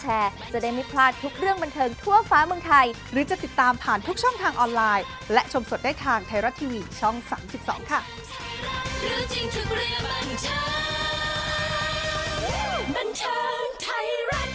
อัพเพลงดังคุณฮาครับยังคิดกันเลย